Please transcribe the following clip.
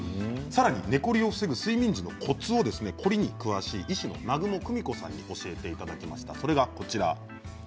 寝コリを防ぐ睡眠時のコツを凝りに詳しい医師の南雲久美子さんに教えてもらいました。